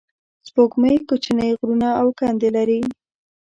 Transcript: سپوږمۍ کوچنۍ غرونه او کندې لري